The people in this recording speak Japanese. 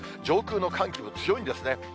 上空の寒気も強いんですね。